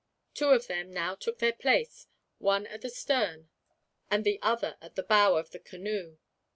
Two of them now took their place, one at the stern and the other at the bow of the canoe.